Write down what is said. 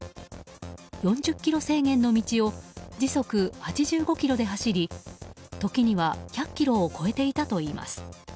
４０キロ制限の道を時速８５キロで走り時には、１００キロを超えていたといいます。